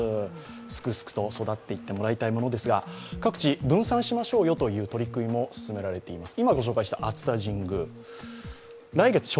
すくすくと育っていってもらいたいものですが各地、分散しましょうよという取り組みも進められています。